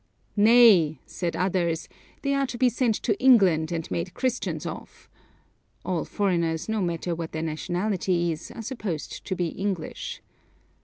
'Nay,' said others, 'they are to be sent to England and made Christians of.' [All foreigners, no matter what their nationality is, are supposed to be English.